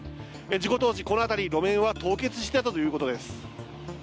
事故当時、この辺り路面は凍結していたということです。